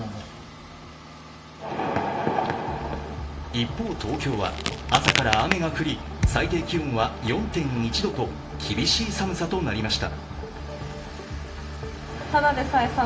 一方、東京は朝から雨が降り、最低気温は４．１度と厳しい寒さとなりました。